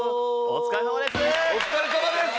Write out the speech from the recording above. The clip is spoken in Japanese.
お疲れさまです